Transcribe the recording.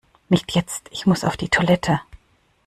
Nicht jetzt, ich muss auf die Toilette!